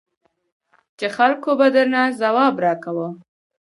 چې خلکو به د نه ځواب را کاوه.